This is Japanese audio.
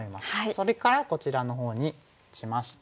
それからこちらのほうに打ちまして。